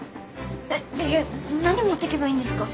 えっ何持ってけばいいんですか？